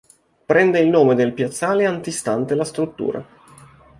Prende il nome dal piazzale antistante la struttura.